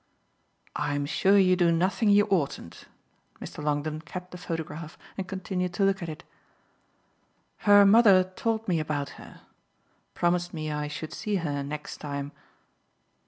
"I'm sure you do nothing you oughtn't." Mr. Longdon kept the photograph and continued to look at it. "Her mother told me about her promised me I should see her next time."